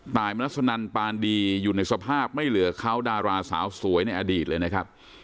มรัสนันปานดีอยู่ในสภาพไม่เหลือเขาดาราสาวสวยในอดีตเลยนะครับ